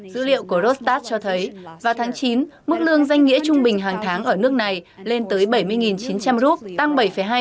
dữ liệu của rostat cho thấy vào tháng chín mức lương danh nghĩa trung bình hàng tháng ở nước này lên tới bảy mươi chín trăm linh rup tăng bảy hai